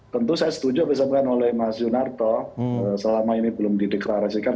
tentu saya setuju bisa bukan oleh mas junarto selama ini belum dideklarasikan